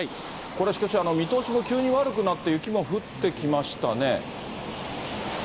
これしかし、見通しも急に悪くなって、雪も降ってきましたね。